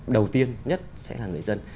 đầu tiên nhất sẽ là người dân